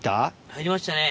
入りましたね。